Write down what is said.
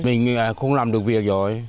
mình không làm được việc